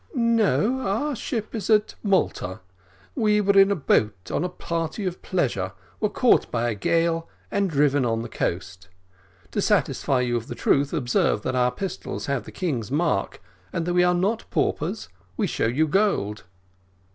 "No, our ship is at Malta; we were in a boat on a party of pleasure, were caught by a gale, and driven on the coast. To satisfy you of the truth, observe that our pistols have the king's mark, and that we are not paupers, we show you gold."